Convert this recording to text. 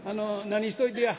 何しといてや。